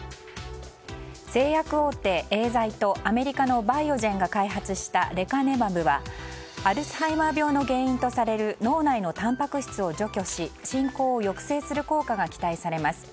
製薬大手エーザイとアメリカのバイオジェンが開発したレカネマブはアルツハイマー病の原因とされる脳内のたんぱく質を除去し進行を抑制する効果が期待されます。